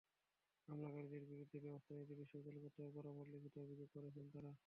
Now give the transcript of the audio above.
হামলাকারীদের বিরুদ্ধে ব্যবস্থা নিতে বিশ্ববিদ্যালয় কর্তৃপক্ষ বরাবর লিখিত অভিযোগ করেছেন তাঁরা।